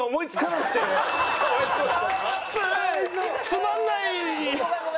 つまんない。